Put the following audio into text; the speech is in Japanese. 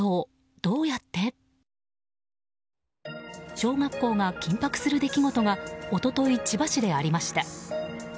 小学校が緊迫する出来事が一昨日、千葉市でありました。